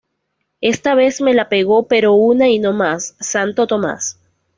Esta vez me la pegó pero una y no más, santo Tomás